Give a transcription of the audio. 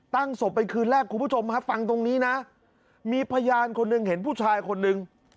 ศพไปคืนแรกคุณผู้ชมฮะฟังตรงนี้นะมีพยานคนหนึ่งเห็นผู้ชายคนหนึ่ง